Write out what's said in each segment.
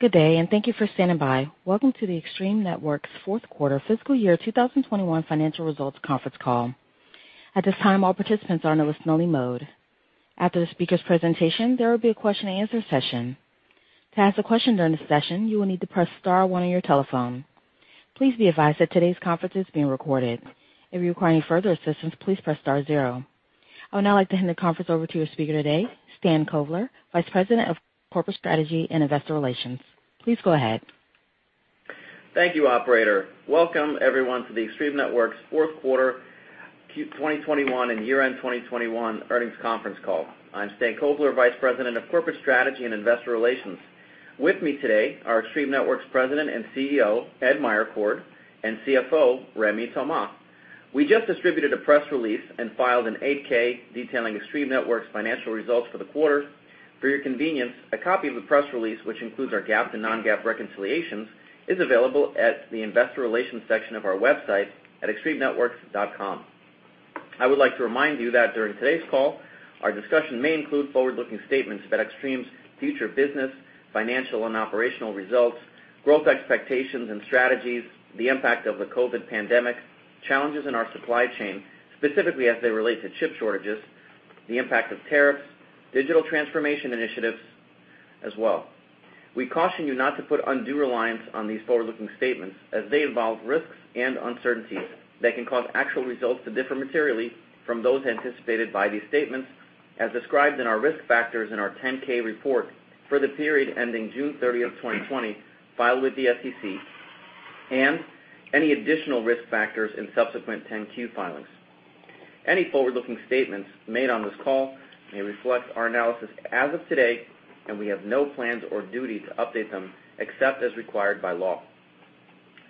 Good day, and thank you for standing by. Welcome to the Extreme Networks' fourth quarter fiscal year 2021 financial results conference call. At this time, all participants are in a listen-only mode. After the speaker's presentation, there will be a question-and-answer session. To ask a question during the session, you will need to press star one on your telephone. Please be advised that today's conference is being recorded. If you require any further assistance, please press star zero. I would now like to hand the conference over to your speaker today, Stan Kovler, Vice President of Corporate Strategy and Investor Relations. Please go ahead. Thank you, operator. Welcome everyone to the Extreme Networks' fourth quarter Q2021 and year-end 2021 earnings conference call. I'm Stan Kovler, Vice President of Corporate Strategy and Investor Relations. With me today are Extreme Networks President and CEO Ed Meyercord and CFO Rémi Thomas. We just distributed a press release and filed an 8-K detailing Extreme Networks' financial results for the quarter. For your convenience, a copy of the press release, which includes our GAAP and non-GAAP reconciliations, is available at the investor relations section of our website at extremenetworks.com. I would like to remind you that during today's call, our discussion may include forward-looking statements about Extreme's future business, financial and operational results, growth expectations and strategies, the impact of the COVID pandemic, challenges in our supply chain, specifically as they relate to chip shortages, the impact of tariffs, and digital transformation initiatives as well. We caution you not to put undue reliance on these forward-looking statements, as they involve risks and uncertainties that can cause actual results to differ materially from those anticipated by these statements, as described in our risk factors in our 10-K report for the period ending June 30, 2020, filed with the SEC, and any additional risk factors in subsequent 10-Q filings. Any forward-looking statements made on this call may reflect our analysis as of today, and we have no plans or duty to update them except as required by law.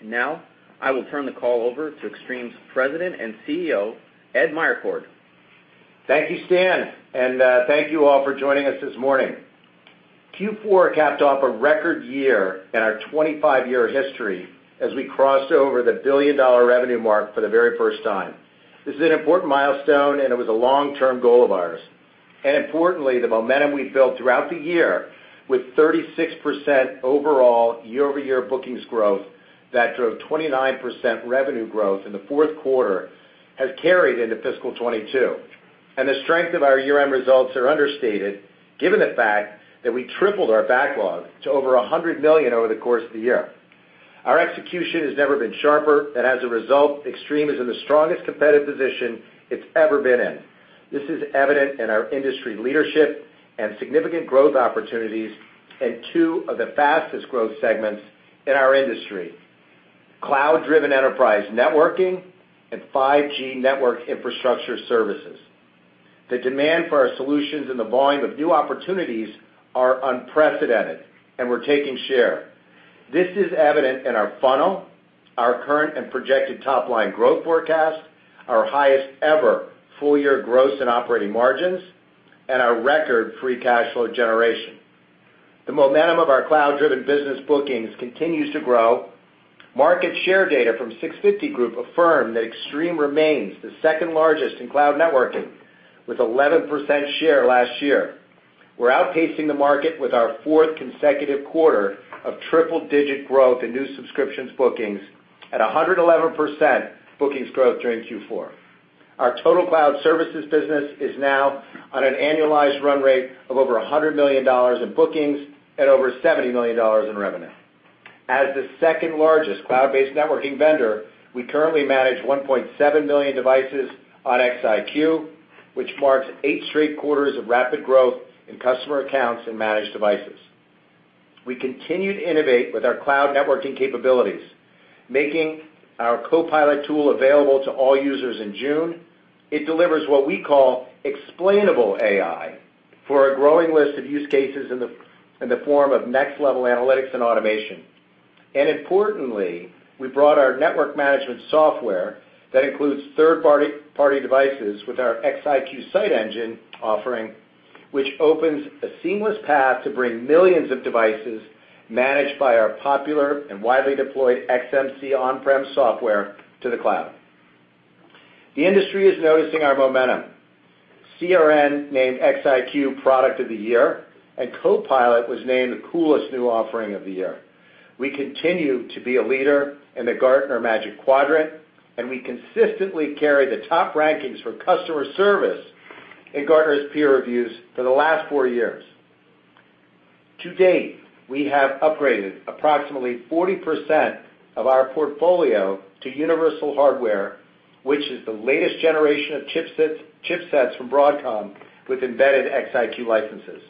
Now, I will turn the call over to Extreme's President and CEO, Ed Meyercord. Thank you, Stan, and thank you all for joining us this morning. Q4 capped off a record year in our 25-year history, as we crossed over the billion-dollar revenue mark for the very first time. This is an important milestone, and it was a long-term goal of ours. Importantly, the momentum we built throughout the year, with 36% overall year-over-year bookings growth that drove 29% revenue growth in the fourth quarter, has carried into fiscal 2022. The strength of our year-end results are understated, given the fact that we tripled our backlog to over $100 million over the course of the year. Our execution has never been sharper, and as a result, Extreme is in the strongest competitive position it's ever been in. This is evident in our industry leadership and significant growth opportunities in two of the fastest growth segments in our industry, cloud-driven enterprise networking and 5G network infrastructure services. The demand for our solutions and the volume of new opportunities are unprecedented, and we're taking share. This is evident in our funnel, our current and projected top-line growth forecast, our highest ever full year gross and operating margins, and our record free cash flow generation. The momentum of our cloud-driven business bookings continues to grow. Market share data from 650 Group affirm that Extreme remains the second largest in cloud networking, with 11% share last year. We're outpacing the market with our fourth consecutive quarter of triple-digit growth in new subscriptions bookings at 111% bookings growth during Q4. Our total cloud services business is now on an annualized run rate of over $100 million in bookings and over $70 million in revenue. As the second largest cloud-based networking vendor, we currently manage 1.7 million devices on XIQ, which marks eight straight quarters of rapid growth in customer accounts and managed devices. We continue to innovate with our cloud networking capabilities, making our CoPilot tool available to all users in June. It delivers what we call explainable AI for a growing list of use cases in the form of next-level analytics and automation. Importantly, we brought our network management software, which includes third-party devices, with our XIQ Site Engine offering, which opens a seamless path to bring millions of devices managed by our popular and widely deployed XMC on-prem software to the cloud. The industry is noticing our momentum. CRN named XIQ Product of the Year, and CoPilot was named the coolest new offering of the year. We continue to be a leader in the Gartner Magic Quadrant, and we consistently carry the top rankings for customer service in Gartner's peer reviews for the last four years. To date, we have upgraded approximately 40% of our portfolio to universal hardware, which is the latest generation of chipsets from Broadcom with embedded XIQ licenses.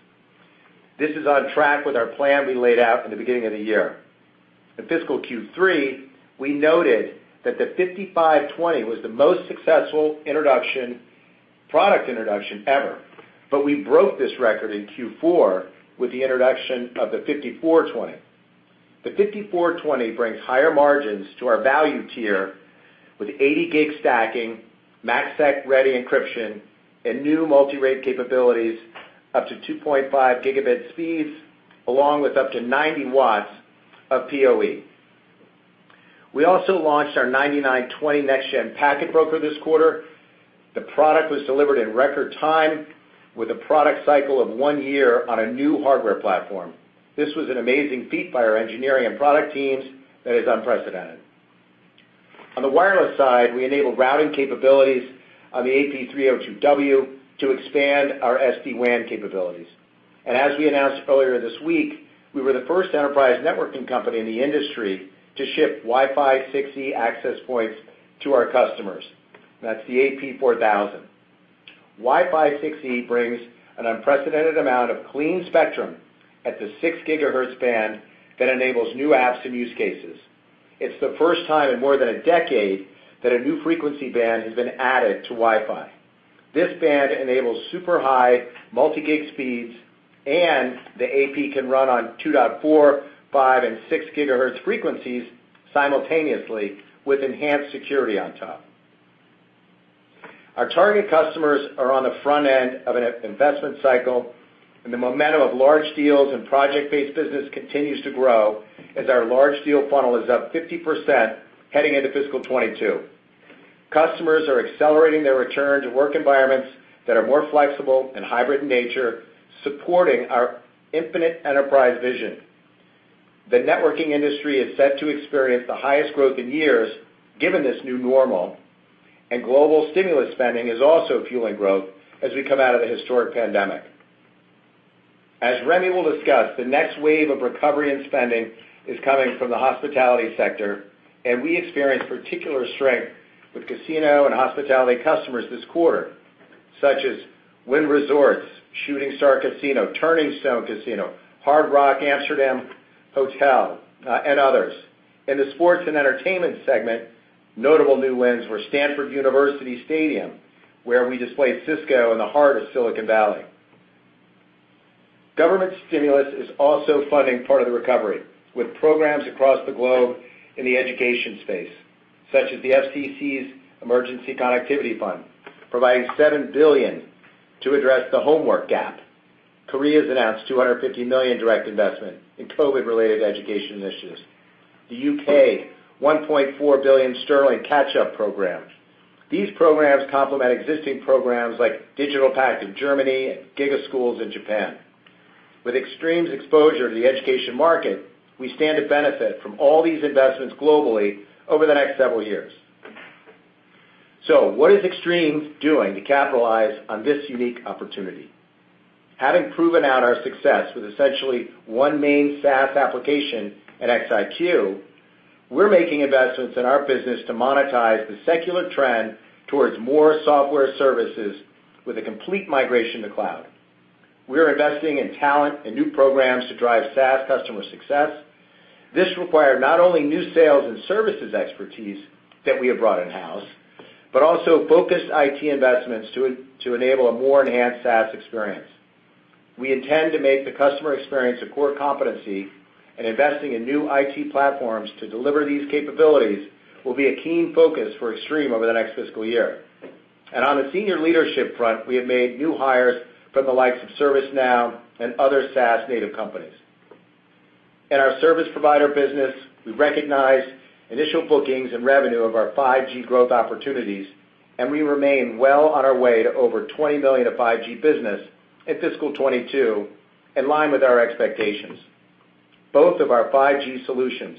This is on track with our plan we laid out at the beginning of the year. In fiscal Q3, we noted that the 5520 was the most successful product introduction ever. We broke this record in Q4 with the introduction of the 5420. The 5420 brings higher margins to our value tier with 80 gig stacking, MACsec-ready encryption, and new multi-rate capabilities up to 2.5 Gb speeds, along with up to 90 watts of PoE. We also launched our 9920 next-gen packet broker this quarter. The product was delivered in record time with a product cycle of one year on a new hardware platform. This was an amazing feat by our engineering and product teams that is unprecedented. On the wireless side, we enabled routing capabilities on the AP302W to expand our SD-WAN capabilities. As we announced earlier this week, we were the first enterprise networking company in the industry to ship Wi-Fi 6E access points to our customers. That's the AP4000. Wi-Fi 6E brings an unprecedented amount of clean spectrum at the six gigahertz band that enables new apps and use cases. It's the first time in more than a decade that a new frequency band has been added to Wi-Fi. This band enables super high multi-gig speeds, and the AP can run on 2.4, 5, and 6 gigahertz frequencies simultaneously with enhanced security on top. Our target customers are on the front end of an investment cycle, and the momentum of large deals and project-based business continues to grow as our large deal funnel is up 50% heading into fiscal 2022. Customers are accelerating their return to work environments that are more flexible and hybrid in nature, supporting our Infinite Enterprise vision. The networking industry is set to experience the highest growth in years, given this new normal, and global stimulus spending is also fueling growth as we come out of the historic pandemic. As Rémi will discuss, the next wave of recovery and spending is coming from the hospitality sector, and we experienced particular strength with casino and hospitality customers this quarter, such as Wynn Resorts, Shooting Star Casino, Turning Stone Casino, Hard Rock Amsterdam Hotel, and others. In the sports and entertainment segment, notable new wins were Stanford University Stadium, where we displaced Cisco in the heart of Silicon Valley. Government stimulus is also funding part of the recovery, with programs across the globe in the education space, such as the FCC's Emergency Connectivity Fund, providing $7 billion to address the homework gap. Korea has announced a $250 million direct investment in COVID-related education initiatives. The U.K., 1.4 billion sterling Catch-Up Program. These programs complement existing programs like Digital Pact in Germany and Giga Schools in Japan. With Extreme's exposure to the education market, we stand to benefit from all these investments globally over the next several years. What is Extreme doing to capitalize on this unique opportunity? Having proven out our success with essentially one main SaaS application at ExtremeCloud IQ, we're making investments in our business to monetize the secular trend towards more software services with a complete migration to the cloud. We're investing in talent and new programs to drive SaaS customer success. This required not only new sales and services expertise that we have brought in-house, but also focused IT investments to enable a more enhanced SaaS experience. We intend to make the customer experience a core competency, and investing in new IT platforms to deliver these capabilities will be a keen focus for Extreme over the next fiscal year. On the senior leadership front, we have made new hires from the likes of ServiceNow and other SaaS-native companies. In our service provider business, we recognize initial bookings and revenue of our 5G growth opportunities, and we remain well on our way to over $20 million of 5G business in fiscal 2022, in line with our expectations. Both of our 5G solutions,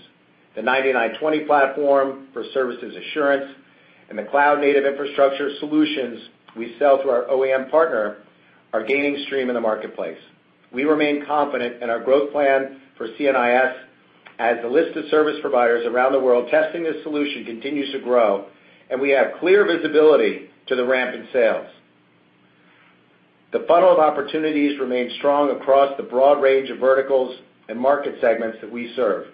the 9920 platform for service assurance and the cloud-native infrastructure solutions we sell through our OEM partner, are gaining steam in the marketplace. We remain confident in our growth plan for CNIS as the list of service providers around the world testing this solution continues to grow, and we have clear visibility to the ramp in sales. The funnel of opportunities remains strong across the broad range of verticals and market segments that we serve.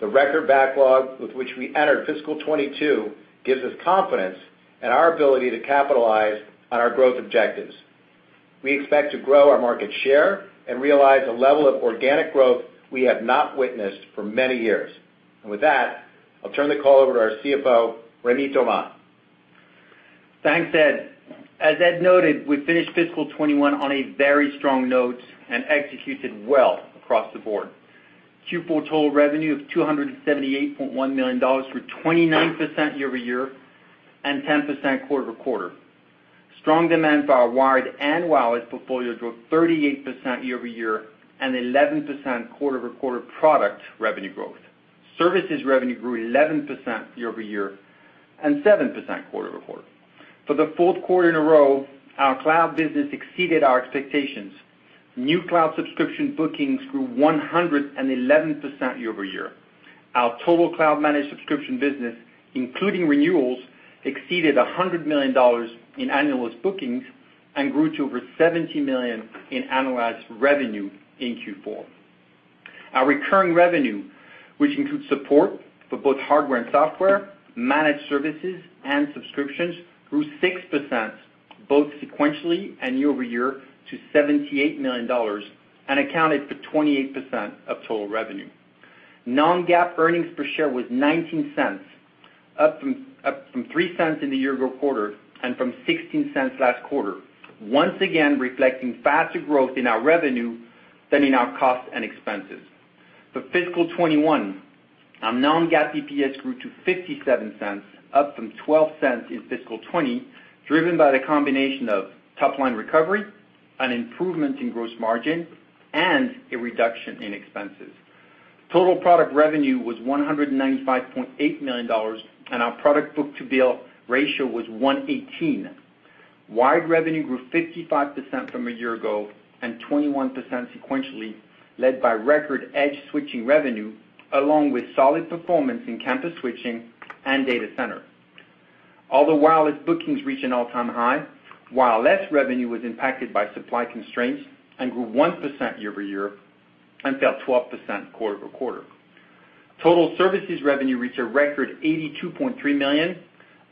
The record backlog with which we entered fiscal 2022 gives us confidence in our ability to capitalize on our growth objectives. We expect to grow our market share and realize a level of organic growth we have not witnessed for many years. With that, I'll turn the call over to our CFO, Rémi Thomas. Thanks, Ed. As Ed noted, we finished fiscal 2021 on a very strong note and executed well across the board. Q4 total revenue of $278.1 million grew 29% year-over-year and 10% quarter-over-quarter. Strong demand for our wired and wireless portfolio drove 38% year-over-year and 11% quarter-over-quarter product revenue growth. Services revenue grew 11% year-over-year and 7% quarter-over-quarter. For the fourth quarter in a row, our cloud business exceeded our expectations. New cloud subscription bookings grew 111% year-over-year. Our total cloud-managed subscription business, including renewals, exceeded $100 million in annualized bookings and grew to over $70 million in annualized revenue in Q4. Our recurring revenue, which includes support for both hardware and software, managed services, and subscriptions, grew 6% both sequentially and year-over-year to $78 million and accounted for 28% of total revenue. Non-GAAP EPS was $0.19. Up from $0.03 in the year-ago quarter and from $0.16 last quarter. Once again, reflecting faster growth in our revenue than in our costs and expenses. For fiscal 2021, our non-GAAP EPS grew to $0.57, up from $0.12 in fiscal 2020, driven by the combination of top-line recovery and improvement in gross margin, and a reduction in expenses. Total product revenue was $195.8 million, and our product book-to-bill ratio was 1.18. Wired revenue grew 55% from a year ago and 21% sequentially, led by record edge switching revenue, along with solid performance in campus switching and data center. All the while, its bookings reached an all-time high, while Wireless revenue was impacted by supply constraints and grew 1% year-over-year and fell 12% quarter-over-quarter. Total services revenue reached a record $82.3 million,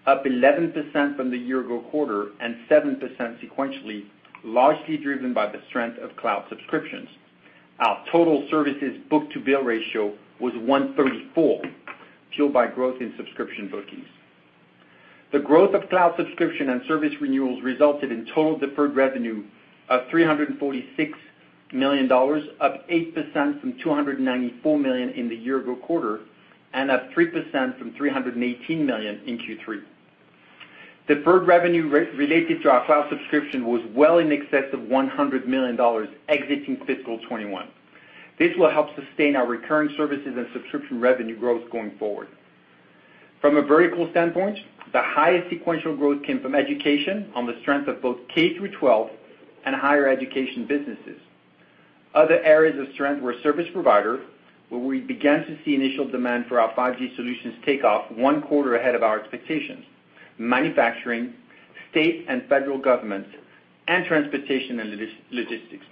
up 11% from the year-ago quarter and 7% sequentially, largely driven by the strength of cloud subscriptions. Our total services book-to-bill ratio was 1.34, fueled by growth in subscription bookings. The growth of cloud subscription and service renewals resulted in total deferred revenue of $346 million, up 8% from $294 million in the year-ago quarter, and up 3% from $318 million in Q3. Deferred revenue related to our cloud subscription was well in excess of $100 million exiting fiscal 2021. This will help sustain our recurring services and subscription revenue growth going forward. From a vertical standpoint, the highest sequential growth came from education on the strength of both K through 12 and higher education businesses. Other areas of strength were service provider, where we began to see initial demand for our 5G solutions take off one quarter ahead of our expectations, manufacturing, state and federal governments, and transportation and logistics.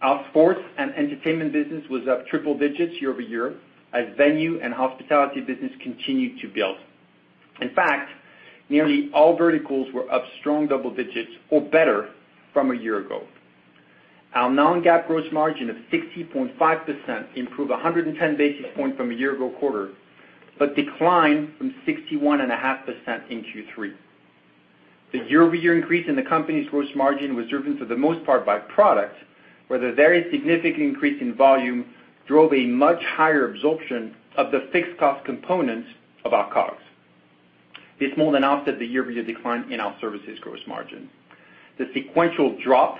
Our sports and entertainment business was up triple digits year-over-year as the venue and hospitality business continued to build. In fact, nearly all verticals were up strong double digits or better from a year ago. Our non-GAAP gross margin of 60.5% improved 110 basis points from a year-ago quarter, but declined from 61.5% in Q3. The year-over-year increase in the company's gross margin was driven for the most part by product, where the very significant increase in volume drove a much higher absorption of the fixed cost components of our COGS. This more than offset the year-over-year decline in our services' gross margin. The sequential drop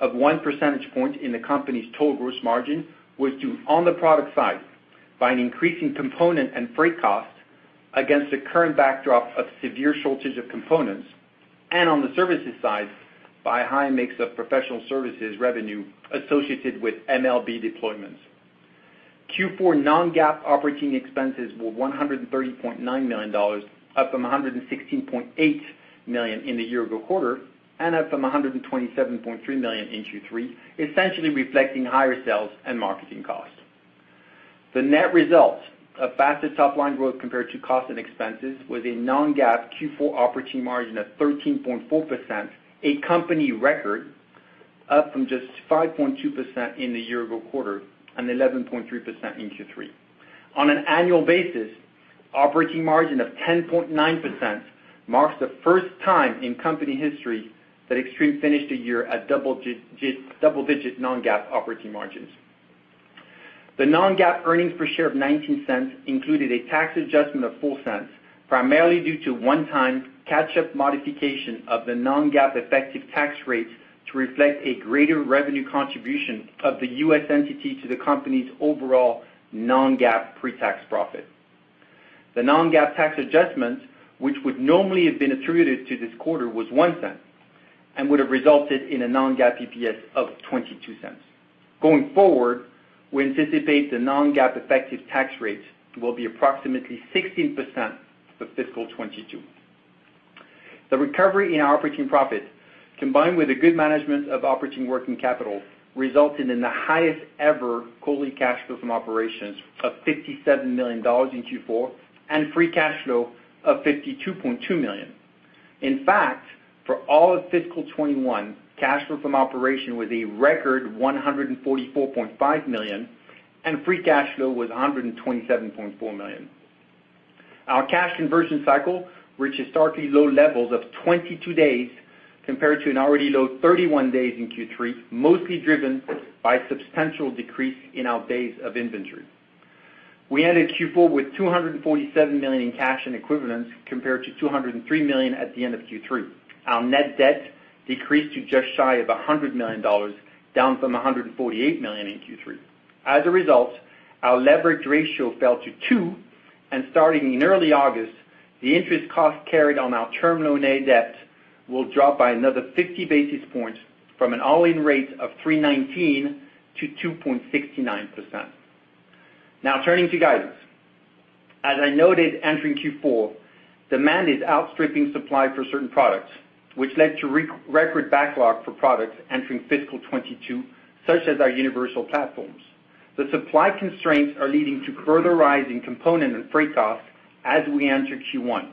of one percentage point in the company's total gross margin was due on the product side by an increase in component and freight costs against the current backdrop of severe shortage of components, and on the services side, by a high mix of professional services revenue associated with MLB deployments. Q4 non-GAAP operating expenses were $130.9 million, up from $116.8 million in the year-ago quarter and up from $127.3 million in Q3, essentially reflecting higher sales and marketing costs. The net result of faster top-line growth compared to cost and expenses was a non-GAAP Q4 operating margin of 13.4%, a company record, up from just 5.2% in the year-ago quarter and 11.3% in Q3. On an annual basis, the operating margin of 10.9% marks the first time in company history that Extreme finished a year at double-digit non-GAAP operating margins. The non-GAAP earnings per share of $0.19 included a tax adjustment of $0.04, primarily due to a one-time catch-up modification of the non-GAAP effective tax rates to reflect a greater revenue contribution of the U.S. entity to the company's overall non-GAAP pre-tax profit. The non-GAAP tax adjustment, which would normally have been attributed to this quarter, was $0.01 and would have resulted in a non-GAAP EPS of $0.22. Going forward, we anticipate the non-GAAP effective tax rates will be approximately 16% for fiscal 2022. The recovery in our operating profit, combined with the good management of operating working capital, resulted in the highest ever quarterly cash flow from operations of $57 million in Q4 and free cash flow of $52.2 million. In fact, for all of fiscal 2021, cash flow from operations was a record $144.5 million, and free cash flow was $127.4 million. Our cash conversion cycle reached historically low levels of 22 days compared to an already low 31 days in Q3, mostly driven by a substantial decrease in our days of inventory. We ended Q4 with $247 million in cash and equivalents, compared to $203 million at the end of Q3. Our net debt decreased to just shy of $100 million, down from $148 million in Q3. As a result, our leverage ratio fell to 2, and starting in early August, the interest cost carried on our Term Loan A debt will drop by another 50 basis points from an all-in rate of 3.19%-2.69%. Turning to guidance. As I noted entering Q4, demand is outstripping supply for certain products, which led to a record backlog for products entering FY 2022, such as our Universal Platforms. The supply constraints are leading to further rising component and freight costs as we enter Q1.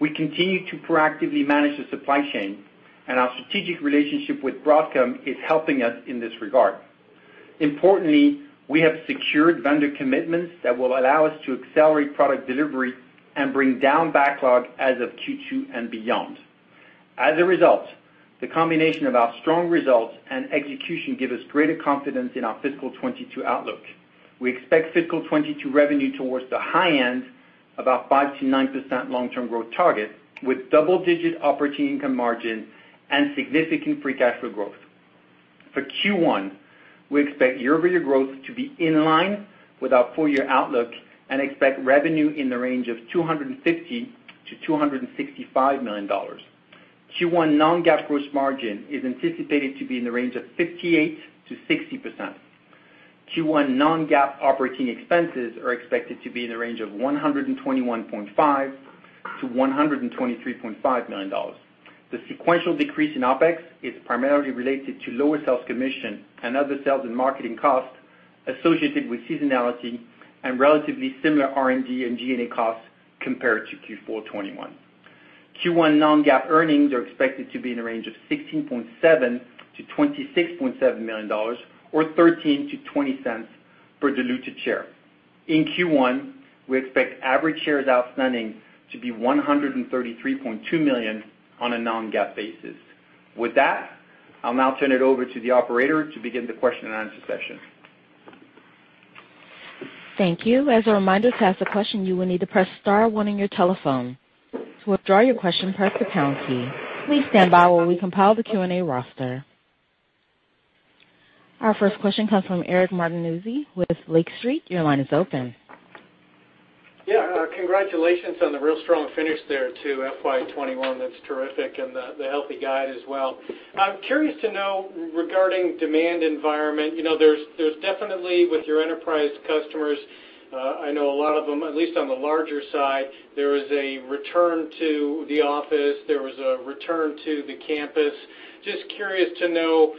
We continue to proactively manage the supply chain; our strategic relationship with Broadcom is helping us in this regard. Importantly, we have secured vendor commitments that will allow us to accelerate product delivery and bring down backlog as of Q2 and beyond. As a result, the combination of our strong results and execution gives us greater confidence in our fiscal 2022 outlook. We expect fiscal 2022 revenue towards the high end, about 5%-9% long-term growth target, with a double-digit operating income margin and significant free cash flow growth. For Q1, we expect year-over-year growth to be in line with our full-year outlook and expect revenue in the range of $250 million-$265 million. Q1 non-GAAP gross margin is anticipated to be in the range of 58%-60%. Q1 non-GAAP operating expenses are expected to be in the range of $121.5 million-$123.5 million. The sequential decrease in OpEx is primarily related to lower sales commission and other sales and marketing costs associated with seasonality and relatively similar R&D and G&A costs compared to Q4 2021. Q1 non-GAAP earnings are expected to be in the range of $16.7 million-$26.7 million or $0.13-$0.20 per diluted share. In Q1, we expect average shares outstanding to be 133.2 million on a non-GAAP basis. With that, I'll now turn it over to the operator to begin the question-and-answer session. Thank you. As a reminder, to ask a question, you will need to press star one on your telephone. To withdraw your question, press the pound key. Please stand by while we compile the Q&A roster. Our first question comes from Eric Martinuzzi with Lake Street. Your line is open. Congratulations on the really strong finish there to FY 2021. That's terrific, the healthy guide as well. I'm curious to know regarding demand environment. There's definitely with your enterprise customers, I know a lot of them, at least on the larger side, there is a return to the office. There was a return to the campus. Just curious to know,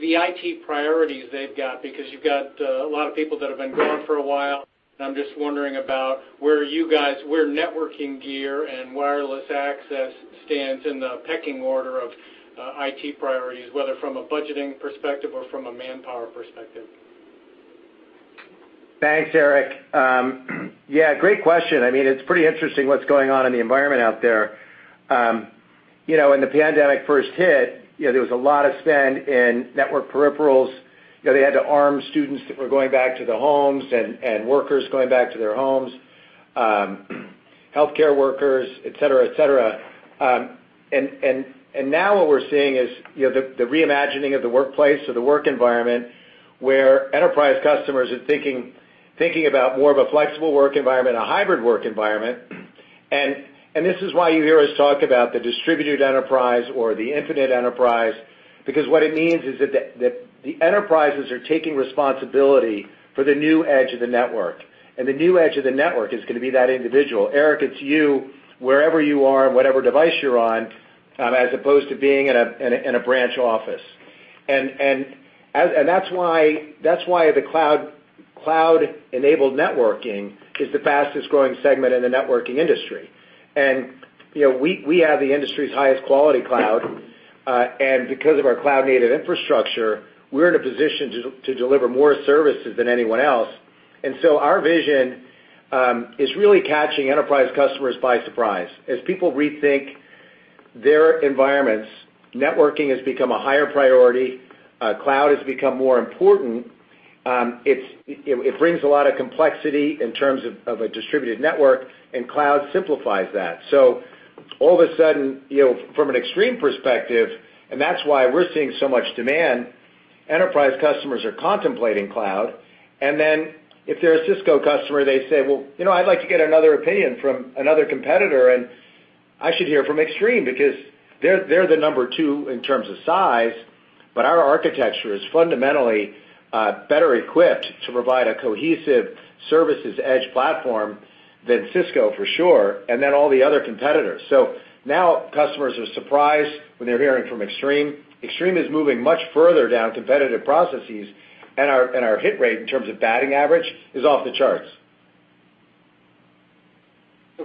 the IT priorities they've got, because you've got a lot of people that have been gone for a while, and I'm just wondering about where you guys, where networking gear and wireless access stand in the pecking order of IT priorities, whether from a budgeting perspective or from a manpower perspective. Thanks, Eric. Yeah, great question. It's pretty interesting what's going on in the environment out there. When the pandemic first hit, there was a lot of spending in network peripherals. They had to arm students who were going back to their homes and workers going back to their homes, healthcare workers, et cetera. Now what we're seeing is the reimagining of the workplace or the work environment where enterprise customers are thinking about more of a flexible work environment, a hybrid work environment. This is why you hear us talk about the distributed enterprise or the Infinite Enterprise, because what it means is that the enterprises are taking responsibility for the new edge of the network, and the new edge of the network is going to be that individual. Eric, it's you, wherever you are and whatever device you're on, as opposed to being in a branch office. That's why the cloud-enabled networking is the fastest-growing segment in the networking industry. We have the industry's highest quality cloud, and because of our cloud-native infrastructure, we're in a position to deliver more services than anyone else. Our vision is really catching enterprise customers by surprise. As people rethink their environments, networking has become a higher priority. Cloud has become more important. It brings a lot of complexity in terms of a distributed network, and cloud simplifies that. All of a sudden, from an Extreme perspective, and that's why we're seeing so much demand, enterprise customers are contemplating cloud. If they're a Cisco customer, they say, "Well, I'd like to get another opinion from another competitor, and I should hear from Extreme because they're the number two in terms of size." Our architecture is fundamentally better equipped to provide a cohesive services edge platform than Cisco, for sure, and then all the other competitors. Now customers are surprised when they hear from Extreme. Extreme is moving much further down competitive processes, and our hit rate in terms of batting average is off the charts.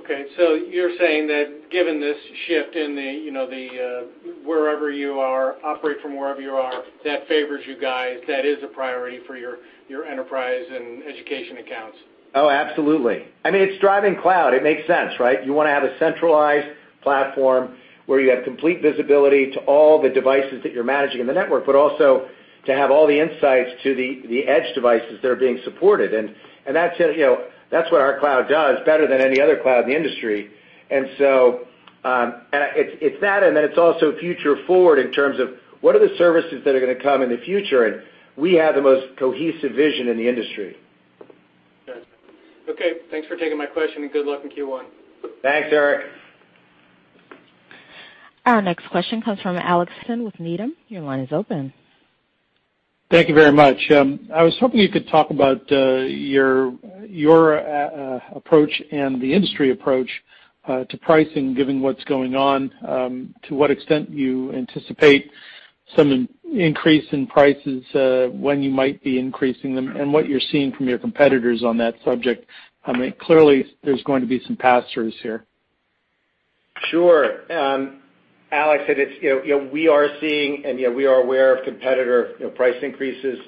Okay, you're saying that given this shift in the wherever you are, operate from wherever you are, that favors you guys. That is a priority for your enterprise and education accounts. Oh, absolutely. It's a driving cloud. It makes sense, right? You want to have a centralized platform where you have complete visibility to all the devices that you're managing in the network, but also to have all the insights into the edge devices that are being supported. That's what our cloud does better than any other cloud in the industry. It's that, and then it's also future-forward in terms of what are the services are going to come in the future? We have the most cohesive vision in the industry. Got it. Okay. Thanks for taking my question, and good luck in Q1. Thanks, Eric. Our next question comes from Alex Henderson with Needham. Your line is open. Thank you very much. I was hoping you could talk about your approach and the industry approach to pricing, given what's going on, to what extent you anticipate some increase in prices, when you might be increasing them, and what you're seeing from your competitors on that subject? Clearly, there's going to be some pass-throughs here. Sure. Alex, we are seeing and we are aware of competitor price increases.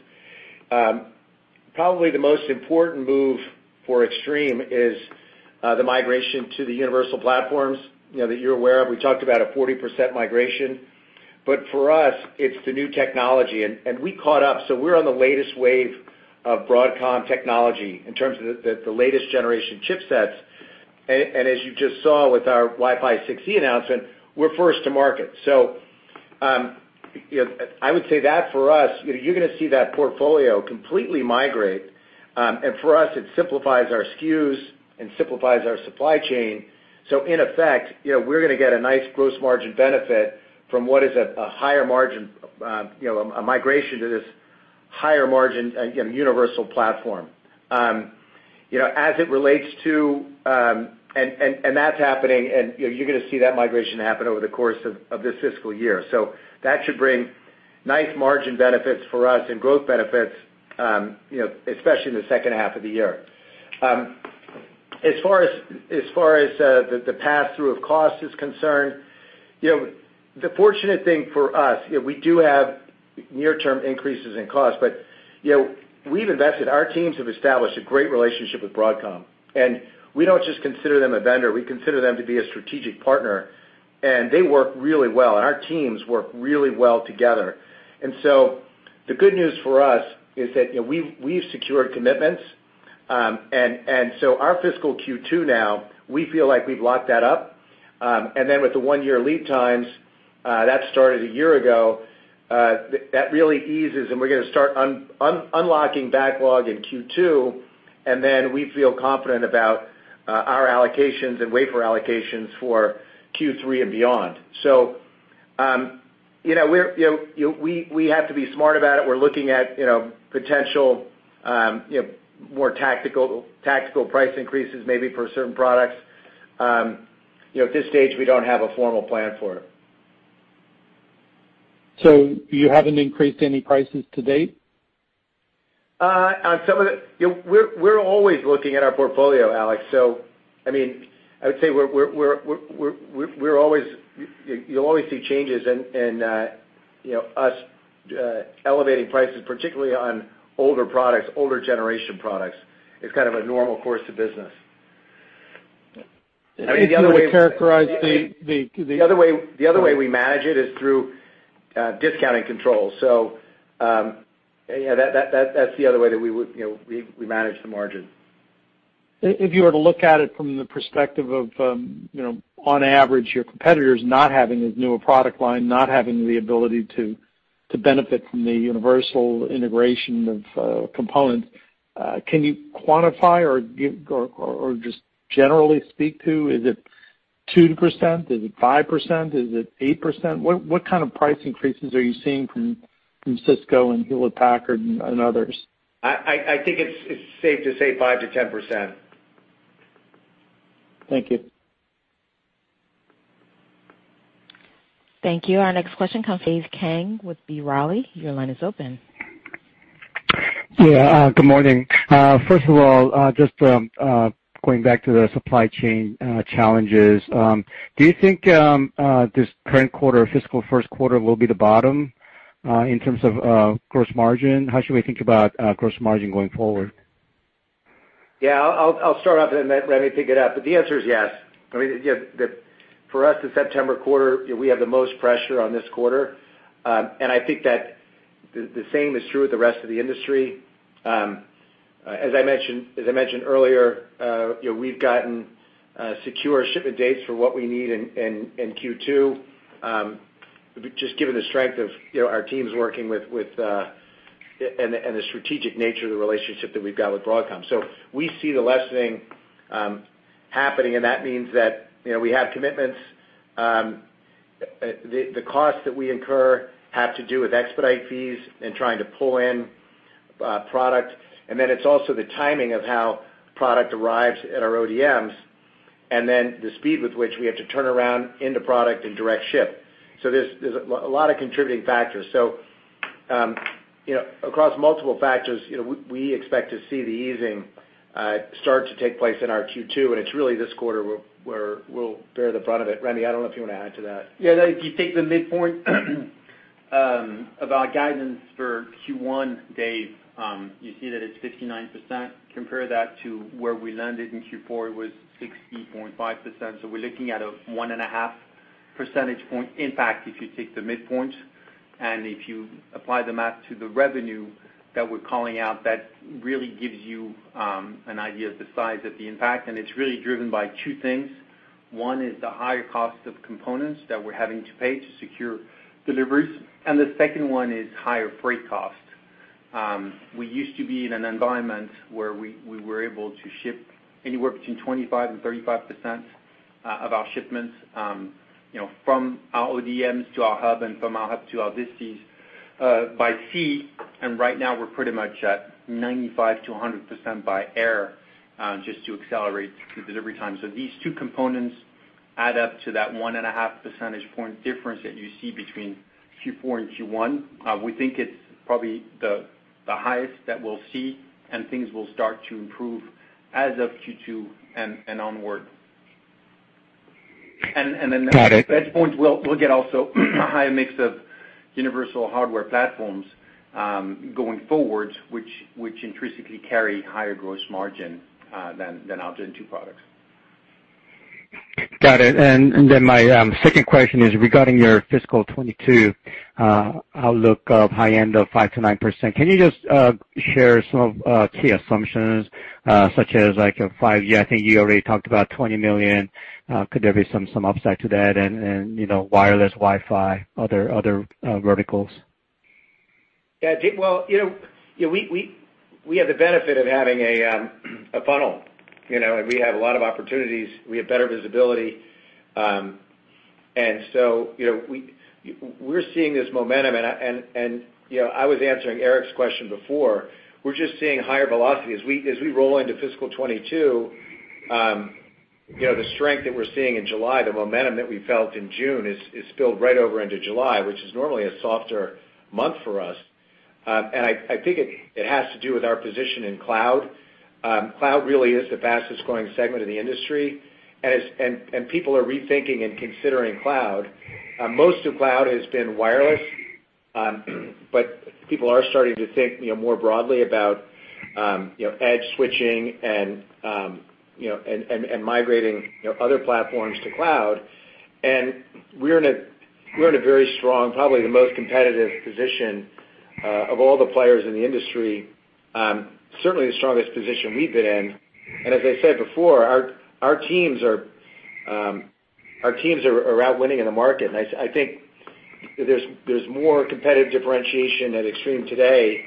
Probably the most important move for Extreme is the migration to the Universal Platforms that you're aware of. We talked about a 40% migration. For us, it's the new technology, and we caught up, so we're on the latest wave of Broadcom technology in terms of the latest generation chipsets. As you just saw with our Wi-Fi 6E announcement, we're first to market. I would say that for us, you're going to see that portfolio completely migrate. For us, it simplifies our SKUs and simplifies our supply chain. In effect, we're going to get a nice gross margin benefit from what is a migration to this higher margin Universal Platform. That's happening, and you're going to see that migration happen over the course of this fiscal year. That should bring nice margin benefits for us and growth benefits, especially in the second half of the year. As far as the pass-through of cost is concerned, the fortunate thing for us, we do have near-term increases in cost, but we've invested. Our teams have established a great relationship with Broadcom; we don't just consider them a vendor. We consider them to be a strategic partner, and they work really well, and our teams work really well together. The good news for us is that we've secured commitments. Our fiscal Q2, now, we feel like we've locked that up. With the one-year lead times, which started one year ago, that really eases, and we're going to start unlocking backlog in Q2, and then we feel confident about our allocations and wafer allocations for Q3 and beyond. We have to be smart about it. We're looking at potentially more tactical price increases, maybe for certain products. At this stage, we don't have a formal plan for it. Haven't you increased any prices to date? We're always looking at our portfolio, Alex. I would say you'll always see changes and us elevating prices, particularly on older generation products. It's kind of a normal course of business. Can you characterize? The other way we manage it is through discounting controls. That's the other way that we manage the margin. If you were to look at it from the perspective of, on average, your competitors not having as new a product line, not having the ability to benefit from the universal integration of components, can you quantify or just generally speak to, is it 2%, is it 5%, is it 8%? What kind of price increases are you seeing from Cisco, Hewlett-Packard, and others? I think it's safe to say 5%-10%. Thank you. Thank you. Our next question comes from Dave Kang with B. Riley. Your line is open. Yeah. Good morning. First of all, just going back to the supply chain challenges, do you think this current quarter, the fiscal first quarter, will be the bottom in terms of gross margin? How should we think about gross margin going forward? Yeah, I'll start off, and then Rémi Thomas will pick it up. The answer is yes. For us, the September quarter has the most pressure on this quarter. I think that the same is true with the rest of the industry. As I mentioned earlier, we've gotten secure shipment dates for what we need in Q2, just given the strength of our teams working with and the strategic nature of the relationship that we've got with Broadcom. We see the lessening happening, and that means that we have commitments. The costs that we incur have to do with expedite fees and trying to pull in product. It's also the timing of how product arrives at our ODMs, and then the speed with which we have to turn around into product and direct ship. There's a lot of contributing factors. Across multiple factors, we expect to see the easing start to take place in our Q2, and it's really this quarter where we'll bear the brunt of it. Rémi, I don't know if you want to add to that. If you take the midpoint of our guidance for Q1, Dave Kang, you see that it's 59%. Compare that to where we landed in Q4, it was 60.5%. We're looking at a one-and-a-half percentage point impact if you take the midpoints. If you apply the math to the revenue that we're calling out, that really gives you an idea of the size of the impact. It's really driven by two things. One is the higher cost of components that we're having to pay to secure deliveries, and the second one is higher freight cost. We used to be in an environment where we were able to ship anywhere between 25% and 35% of our shipments from our ODMs to our hub and from our hub to our disties by sea. Right now, we're pretty much at 95% to 100% by air, just to accelerate the delivery time. These two components add up to that one-and-a-half percentage point difference that you see between Q4 and Q1. We think it's probably the highest that we'll see, and things will start to improve as of Q2 and onward. Got it. From that point on, we'll get also a higher mix of Universal Platforms, going forward, which intrinsically carry a higher gross margin than AP302W products. Got it. My second question is regarding your fiscal 2022 outlook of the high end of 5%-9%. Can you just share some key assumptions, such as like a five-year, I think you already talked about $20 million. Could there be some upside to that and wireless Wi-Fi, other verticals? Yeah. Well, we have the benefit of having a funnel. We have a lot of opportunities. We have better visibility. We're seeing this momentum, and I was answering Eric's question before. We're just seeing higher velocity. As we roll into fiscal 2022, the strength that we're seeing in July, the momentum that we felt in June, is spilled right over into July, which is normally a softer month for us. I think it has to do with our position in the cloud. Cloud really is the fastest-growing segment in the industry, and people are rethinking and considering cloud. Most of the cloud has been wireless, but people are starting to think more broadly about edge switching and migrating other platforms to the cloud. We're in a very strong, probably the most competitive position of all the players in the industry. Certainly the strongest position we've been in. As I said before, our teams are out winning in the market, and I think there is more competitive differentiation at Extreme today,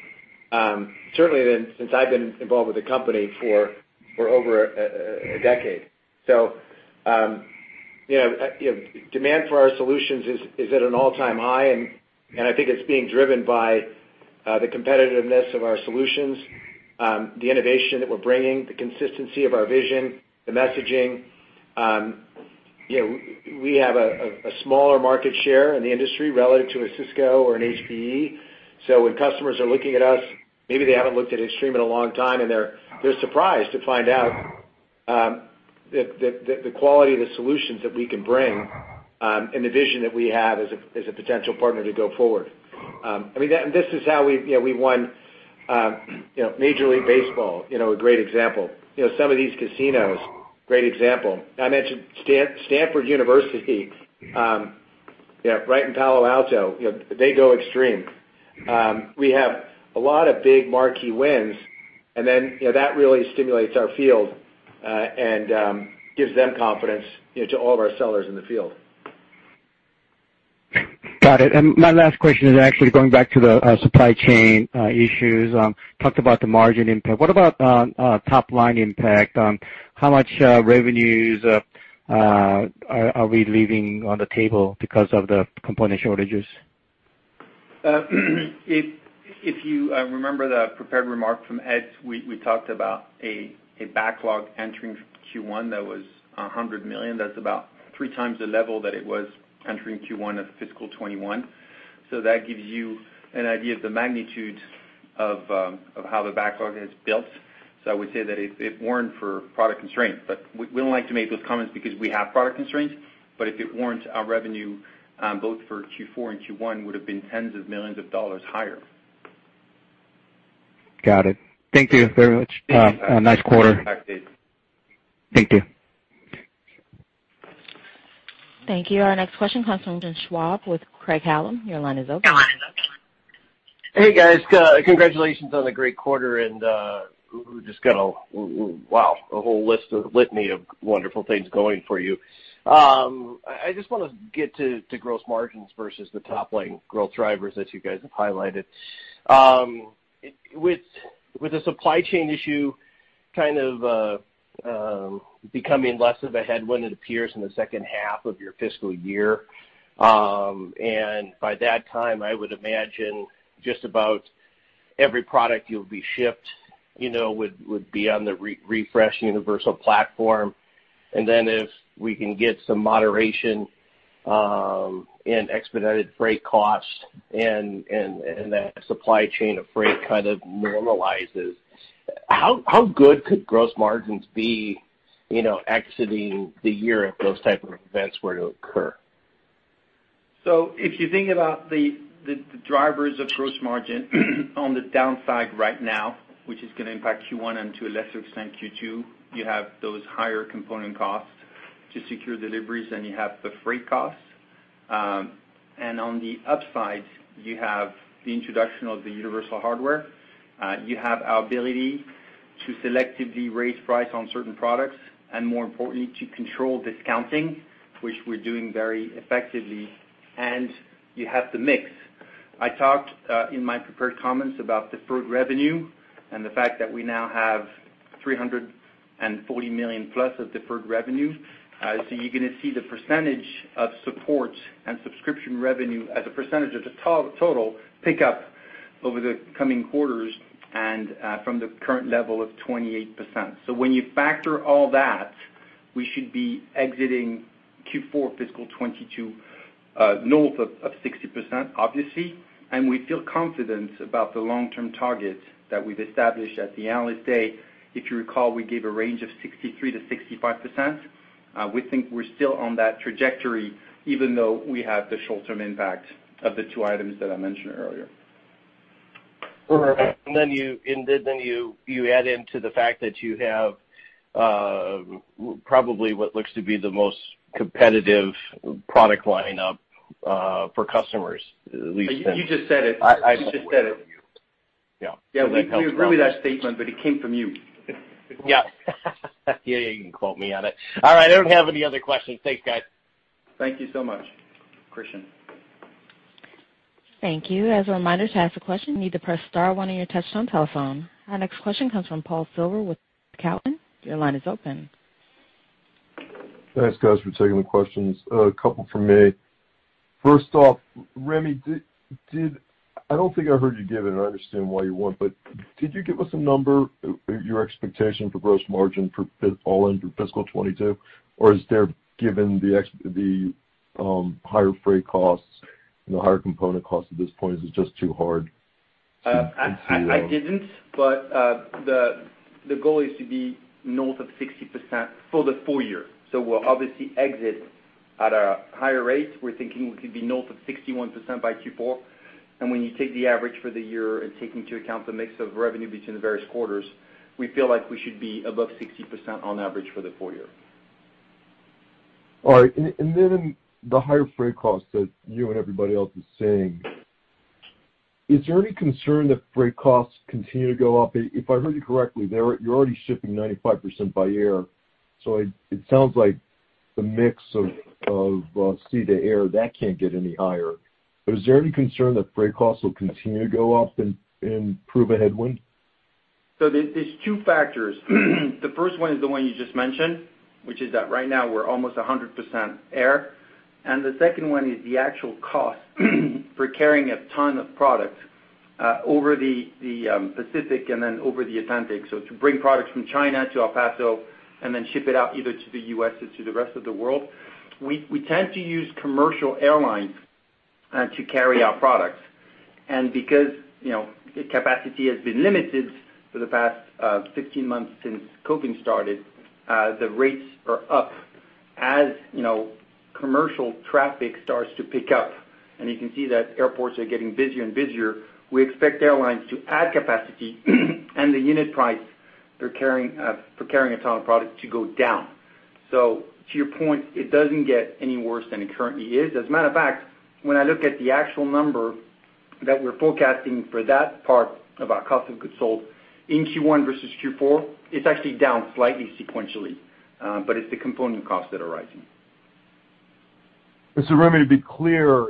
certainly than since I have been involved with the company for over a decade. Demand for our solutions is at an all-time high, and I think it is being driven by the competitiveness of our solutions, the innovation that we are bringing, the consistency of our vision, and the messaging. We have a smaller market share in the industry relative to Cisco or HPE. When customers are looking at us, maybe they haven't looked at Extreme in a long time, and they are surprised to find out the quality of the solutions that we can bring, and the vision that we have as a potential partner to go forward. This is how we won Major League Baseball, a great example. Some of these casinos, great example. I mentioned Stanford University, right in Palo Alto, they go Extreme. We have a lot of big marquee wins, and then that really stimulates our field, and gives them confidence to all of our sellers in the field. Got it. My last question is actually going back to the supply chain issues. Talked about the margin impact. What about top-line impact? How much revenue are we leaving on the table because of the component shortages? If you remember the prepared remark from Ed, we talked about a backlog entering Q1 that was $100 million. That's about 3x the level that it was entering Q1 of fiscal 2021. That gives you an idea of the magnitude of how the backlog has built. I would say that if it weren't for product constraints, but we don't like to make those comments because we have product constraints, but if it weren't for our revenue, both for Q4 and Q1, would've been tens of millions of dollars higher. Got it. Thank you very much. Thank you. Have a nice quarter. Thank you. Thank you. Our next question comes from Christian Schwab with Craig-Hallum. Your line is open. Hey, guys. Congratulations on the great quarter, and I just got a, wow, a whole list of litany of wonderful things going for you. I just want to get to gross margins versus the top-line growth drivers that you guys have highlighted. With the supply chain issue kind of becoming less of a headwind, it appears, in the second half of your fiscal year. By that time, I would imagine just about every product you'll be shipping would be on the refreshed Universal Platform. If we can get some moderation in expedited freight costs and that supply chain of freight kind of normalizes, how good could gross margins be exiting the year if those types of events were to occur? If you think about the drivers of gross margin on the downside right now, which is going to impact Q1 and, to a lesser extent, Q2, you have those higher component costs to secure deliveries, and you have the freight costs. On the upside, you have the introduction of the Universal Platforms. You have our ability to selectively raise prices on certain products, and more importantly, to control discounting, which we're doing very effectively. You have the mix. I talked in my prepared comments about deferred revenue and the fact that we now have $340 million plus of deferred revenue. You're going to see the percentage of support and subscription revenue as a percentage of the total pick-up over the coming quarters, and from the current level of 28%. When you factor all that in, we should be exiting Q4 fiscal 2022, north of 60%, obviously. We feel confident about the long-term target that we've established at the analyst day. If you recall, we gave a range of 63%-65%. We think we're still on that trajectory even though we have the short-term impact of the two items that I mentioned earlier. You add to the fact that you have probably what looks to be the most competitive product lineup for customers, at least. You just said it. You just said it. Yeah. We agree with that statement, but it came from you. Yeah. Yeah, you can quote me on it. All right, I don't have any other questions. Thanks, guys. Thank you so much, Christian. Thank you. As a reminder, to ask a question, you need to press star one on your touchtone telephone. Our next question comes from Paul Silverstein with Cowen. Your line is open. Thanks, guys, for taking the questions. A couple from me. First off, Rémi, I don't think I heard you give it, and I understand why you won't, but did you give us a number, your expectation for gross margin for all in through fiscal 2022? Is there, given the higher freight costs and the higher component costs at this point, is it just too hard to see? I didn't. The goal is to be north of 60% for the full year. We'll obviously exit at a higher rate. We're thinking we could be north of 61% by Q4. When you take the average for the year and take into account the mix of revenue between the various quarters, we feel like we should be above 60% on average for the full year. All right. The higher freight costs that you and everybody else are seeing, is there any concern that freight costs continue to go up? If I heard you correctly, you're already shipping 95% by air. It sounds like the mix of sea to air, that can't get any higher. Is there any concern that freight costs will continue to go up and prove a headwind? There's two factors. The first one is the one you just mentioned, which is that right now we're almost 100% air. The second one is the actual cost for carrying a ton of product over the Pacific and then over the Atlantic. To bring products from China to El Paso and then ship it out either to the U.S. or to the rest of the world. We tend to use commercial airlines to carry our products. Because capacity has been limited for the past 15 months since COVID started, the rates are up. As commercial traffic starts to pick up, and you can see that airports are getting busier and busier, we expect airlines to add capacity, and the unit price for carrying a ton of product to go down. To your point, it doesn't get any worse than it currently is. As a matter of fact, when I look at the actual number that we're forecasting for that part of our cost of goods sold in Q1 versus Q4, it's actually down slightly sequentially. It's the component costs that are rising. Rémi, to be clear,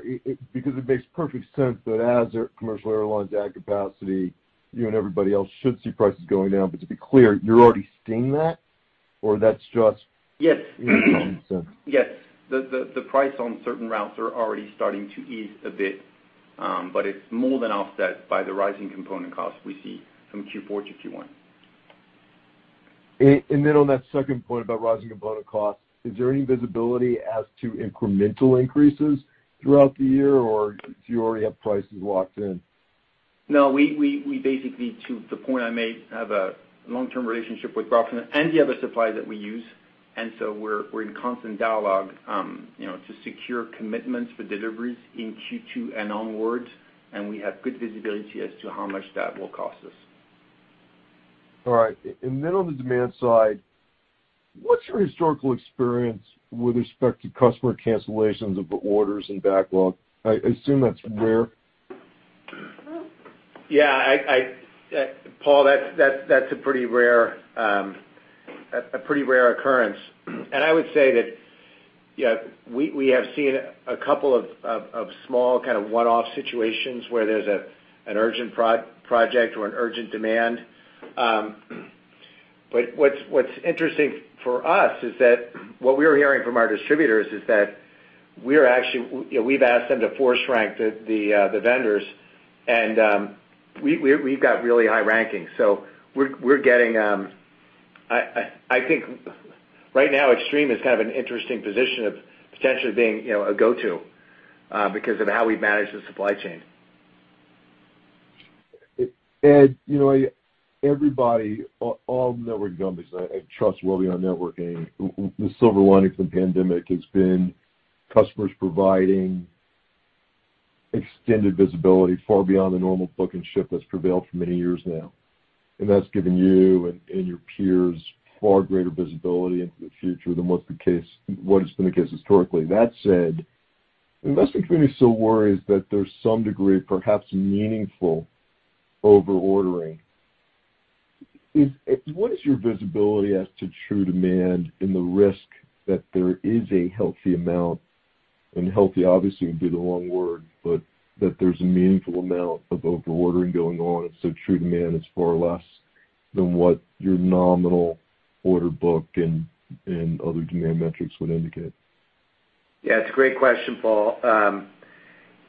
because it makes perfect sense that as commercial airlines add capacity, you and everybody else should see prices going down. To be clear, you're already seeing that? Yes. Common sense. Yes. The price on certain routes is already starting to ease a bit. It's more than offset by the rising component costs we see from Q4 to Q1. Then, on that second point about rising component costs, is there any visibility as to incremental increases throughout the year, or do you already have prices locked in? No, we basically, to the point I made, have a long-term relationship with Broadcom and the other suppliers that we use. We're in constant dialogue to secure commitments for deliveries in Q2 and onwards, and we have good visibility as to how much that will cost us. All right. On the demand side, what's your historical experience with respect to customer cancellations of orders and backlog? I assume that's rare. Yeah, Paul, that's a pretty rare occurrence. I would say that we have seen a couple of small kinds of one-off situations where there's an urgent project or an urgent demand. What's interesting for us is that what we're hearing from our distributors is that we've asked them to force rank the vendors, and we've got really high rankings. I think right now, Extreme is kind of in an interesting position of potentially being a go-to because of how we've managed the supply chain. Everybody, all network companies, I trust well beyond networking, the silver lining from the pandemic has been customers providing extended visibility far beyond the normal book and ship that's prevailed for many years now. That's given you and your peers far greater visibility into the future than has been the case historically. That said, the investment community still worries that there's some degree, perhaps meaningful, of over-ordering. What is your visibility as to true demand and the risk that there is a healthy amount? And healthy obviously, would be the wrong word, but there's a meaningful amount of over-ordering going on, and so true demand is far less than what your nominal order book and other demand metrics would indicate. It's a great question, Paul. I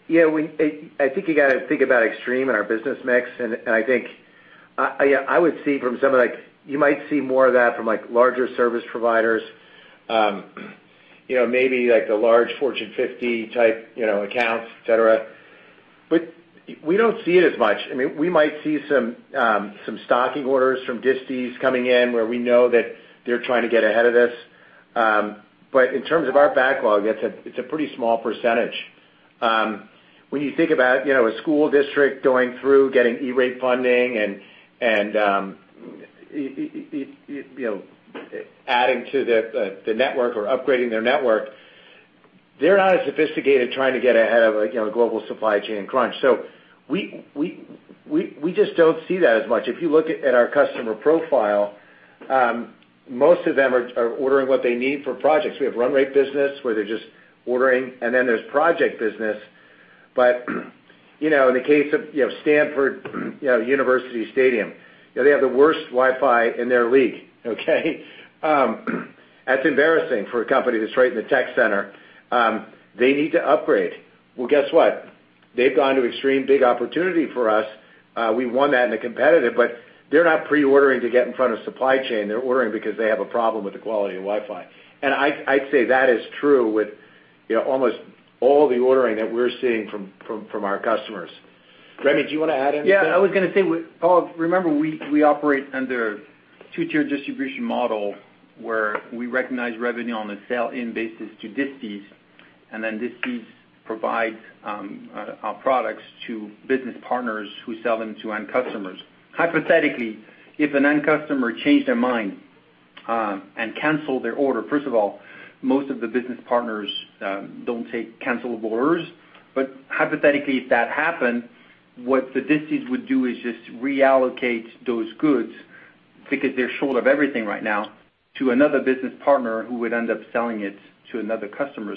think you have to think about Extreme and our business mix. I think I would see from something like, you might see more of that from larger service providers, maybe like the large Fortune 50 type accounts, et cetera. We don't see it as much. We might see some stocking orders from disties coming in where we know that they're trying to get ahead of this. In terms of our backlog, it's a pretty small percentage. When you think about a school district going through getting E-rate funding and adding to the network or upgrading their network, they're not as sophisticated as trying to get ahead of a global supply chain crunch. We just don't see that as much. If you look at our customer profile, most of them are ordering what they need for projects. We have a run-rate business where they're just ordering, then there's project business. In the case of Stanford University Stadium, they have the worst Wi-Fi in their league, okay? That's embarrassing for a company that's right in the tech center. They need to upgrade. Well, guess what? They've gone to Extreme, a big opportunity for us. We won that in a competitive, they're not pre-ordering to get in front of the supply chain. They're ordering because they have a problem with the quality of Wi-Fi. I'd say that is true with almost all the orders that we're seeing from our customers. Rémi, do you want to add anything? Yeah, I was going to say, Paul, remember we operate under a two-tier distribution model where we recognize revenue on a sell-in basis to disties, and then disties provides our products to business partners who sell them to end customers. Hypothetically, if an end customer changed their mind, and canceled their order, first of all, most of the business partners don't take cancelable orders. Hypothetically, if that happened, what the disties would do is just reallocate those goods, because they're short of everything right now, to another business partner who would end up selling it to another customer.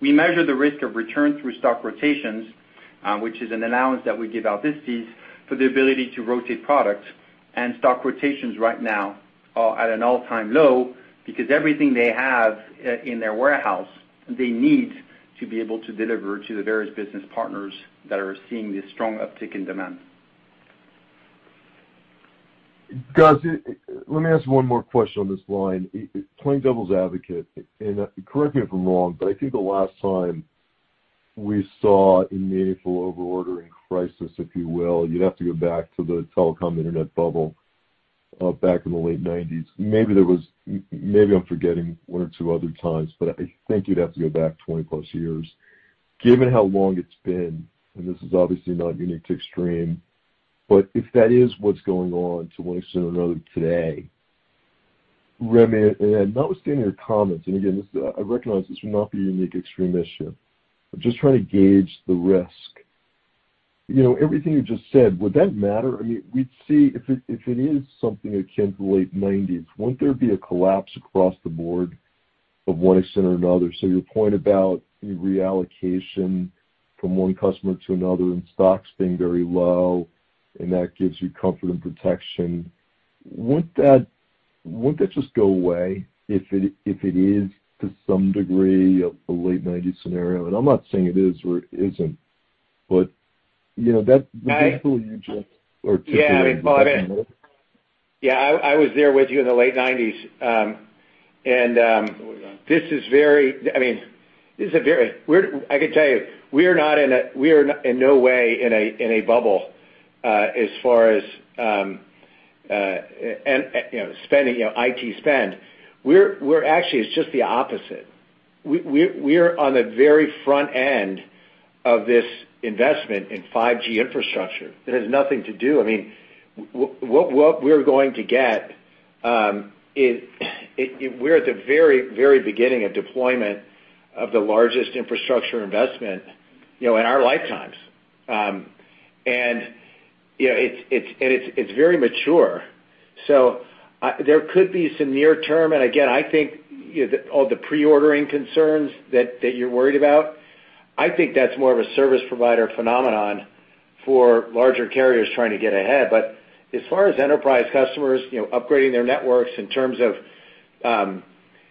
We measure the risk of return through stock rotations, which is an allowance that we give our disties for the ability to rotate product and stock rotations right now are at an all-time low because everything they have in their warehouse, they need to be able to deliver to the various business partners that are seeing this strong uptick in demand. Guys, let me ask one more question on this line, playing devil's advocate, and correct me if I'm wrong, but I think the last time we saw a meaningful over-ordering crisis, if you will, you'd have to go back to the telecom Internet bubble, back in the late 1990s. Maybe I'm forgetting one or two other times, but I think you'd have to go back 20+ years. Given how long it's been, and this is obviously not unique to Extreme, but if that is what's going on to one extent or another today, Rémi, and notwithstanding your comments, and again, I recognize this would not be a unique to Extreme issue. I'm just trying to gauge the risk. Everything you just said, would that matter? We'd see if it is something akin to the late 1990s, won't there be a collapse across the board of one extent or another? Your point about reallocation from one customer to another and stocks being very low, and that gives you comfort and protection. Won't that just go away if it is to some degree of the late 1990s scenario? I'm not saying it is or isn't, but that you just articulated. Yeah. I was there with you in the late 1990s. Oh, yeah. I could tell you, we are in no way in a bubble, as far as IT spend. We're actually, it's just the opposite. We're on the very front end of this investment in 5G infrastructure. We're at the very beginning of the deployment of the largest infrastructure investment in our lifetimes. It's very mature. There could be some near-term, and again, I think all the pre-ordering concerns that you're worried about, I think that's more of a service provider phenomenon for larger carriers trying to get ahead. As far as enterprise customers upgrading their networks in terms of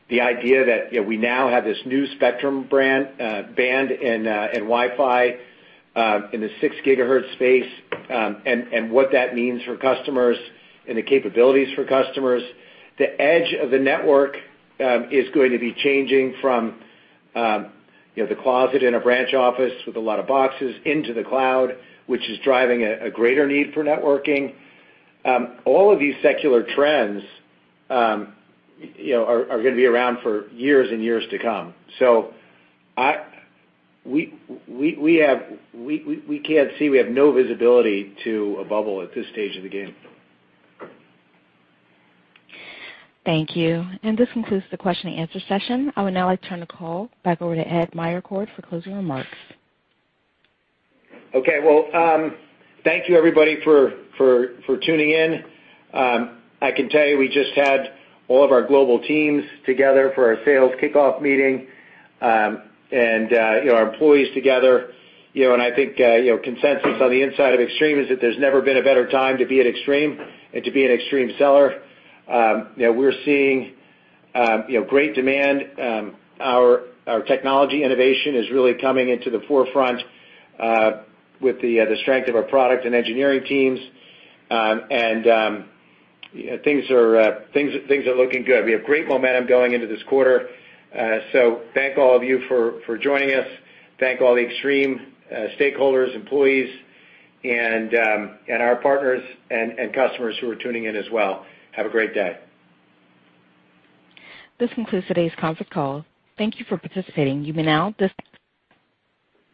the idea that we now have this new spectrum band and Wi-Fi in the 6 gigahertz space, and what that means for customers and the capabilities for customers, the edge of the network is going to be changing from the closet in a branch office with a lot of boxes into the cloud, which is driving a greater need for networking. All of these secular trends are going to be around for years and years to come. We can't see; we have no visibility into a bubble at this stage of the game. Thank you. This concludes the question-and-answer session. I would now like to turn the call back over to Ed Meyercord for closing remarks. Okay. Well, thank you, everybody, for tuning in. I can tell you, we just had all of our global teams together for our sales kickoff meeting, and our employees together. I think consensus on the inside of Extreme is that there's never been a better time to be at Extreme and to be an Extreme seller. We're seeing great demand. Our technology innovation is really coming into the forefront, with the strength of our product and engineering teams. Things are looking good. We have great momentum going into this quarter. Thank all of you for joining us. Thank all the Extreme stakeholders, employees, and our partners and customers who are tuning in as well. Have a great day. This concludes today's conference call. Thank you for participating.